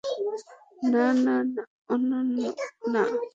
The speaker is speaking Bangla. না, না, না, অনন্যা, না।